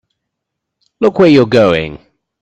Look where you're going!